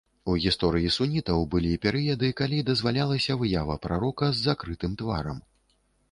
У гісторыі сунітаў былі перыяды, калі дазвалялася выява прарока з закрытым тварам.